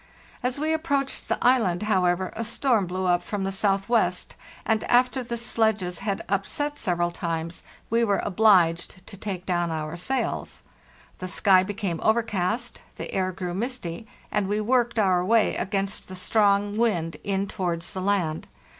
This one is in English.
As we approached the island, how ever, a storm blew up from the southwest, and after the sledges had upset several times we were obliged to take down our sails. The sky became overcast, the air grew misty, and we worked our way against the strong wind in towards the land.